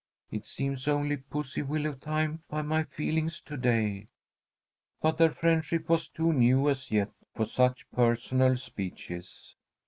It seems only pussy willow time by my feelings to day." But their friendship was too new as yet for such personal speeches.